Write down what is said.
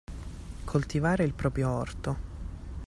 Coltivare il proprio orto.